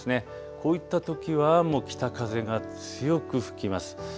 こういったときはもう北風が強く吹きます。